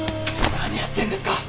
何やってるんですか！